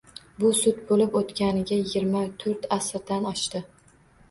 Bu sud bo‘lib o‘tganiga yigirma to‘rt asrdan oshdi